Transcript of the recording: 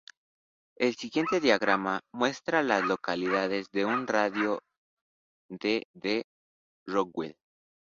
El siguiente diagrama muestra a las localidades en un radio de de Rockwell.